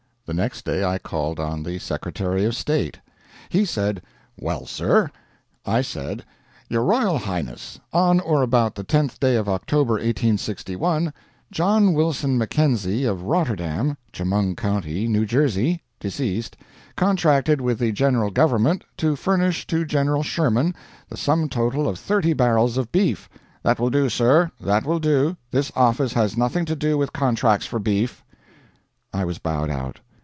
The next day I called on the Secretary of State. He said, "Well, sir?" I said, "Your Royal Highness: on or about the 10th day of October, 1861, John Wilson Mackenzie of Rotterdam, Chemung County, New Jersey, deceased, contracted with the General Government to furnish to General Sherman the sum total of thirty barrels of beef " "That will do, sir that will do; this office has nothing to do with contracts for beef." I was bowed out.